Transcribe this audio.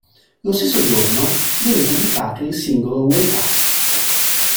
Lo stesso giorno, viene pubblicato il singolo "Wake Up".